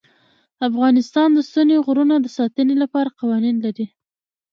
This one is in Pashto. افغانستان د ستوني غرونه د ساتنې لپاره قوانین لري.